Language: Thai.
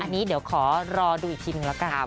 อันนี้เดี๋ยวขอรอดูอีกทีนึงแล้วกัน